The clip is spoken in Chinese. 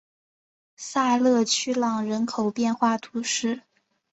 萨勒屈朗人口变化图示